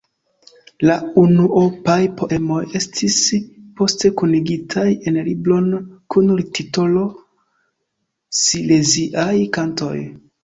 La unuopaj poemoj estis poste kunigitaj en libron kun titolo "Sileziaj kantoj".